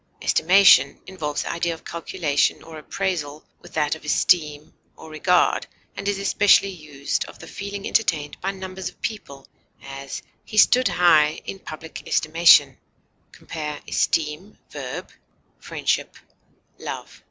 Estimation involves the idea of calculation or appraisal with that of esteem or regard, and is especially used of the feeling entertained by numbers of people; as, he stood high in public estimation. Compare ESTEEM, v.; FRIENDSHIP; LOVE.